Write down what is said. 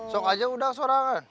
sok aja udah seorang kan